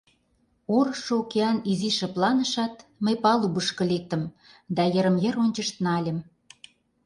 Орышо океан изиш шыпланышат, мый палубышко лектым да йырым-йыр ончышт нальым.